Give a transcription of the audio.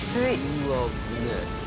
うわっ危ねえ。